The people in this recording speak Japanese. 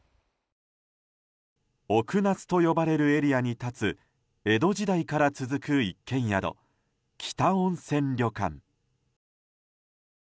奥那須と呼ばれるエリアに立つ江戸時代から続く一軒宿北温泉旅館。